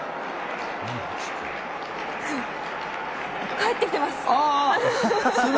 帰ってきてます。